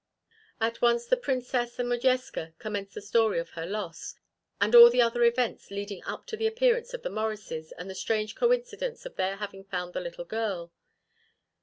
At once the Princess and Modjeska commenced the story of her loss, and all the other events leading up to the appearance of the Morrises and the strange coincidence of their having found the little girl.